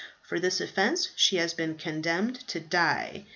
For that offence she has been condemned to die."